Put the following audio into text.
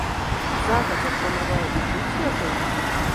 Загадзя планаваў ужыць яго?